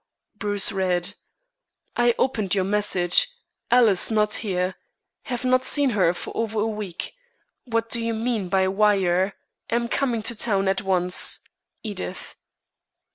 Bruce read: "I opened your message. Alice not here. I have not seen her for over a week. What do you mean by wire? Am coming to town at once. EDITH."